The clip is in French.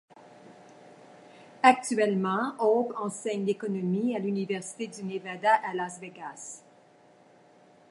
Actuellement, Hoppe enseigne l'économie à l'Université du Nevada à Las Vegas.